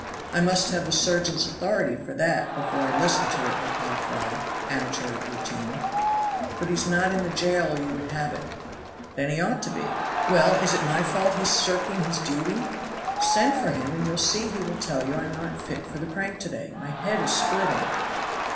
"I must have the surgeon's authority for that, before I listen to it," replied Fry, amateur of routine. "But he is not in the jail, or you would have it." "Then he ought to be." "Well, is it my fault he's shirking his duty? Send for him, and you'll see he will tell you I am not fit for the crank to day; my head is splitting."